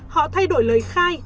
họ thay đổi lời khai